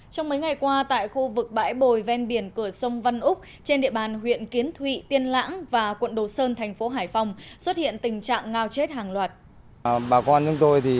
hoa tại khu vực bãi bồi ven biển cửa sông văn úc trên địa bàn huyện kiến thụy tiên lãng và quận đồ sơn thành phố hải phòng xuất hiện tình trạng ngao chết hàng loạt